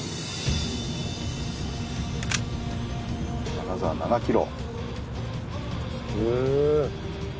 金沢７ｋｍ。